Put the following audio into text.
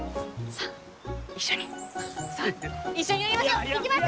さあ一緒にやりましょういきます